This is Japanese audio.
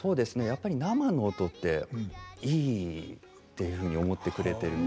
やっぱり生の音っていいっていうふうに思ってくれてるみたいで。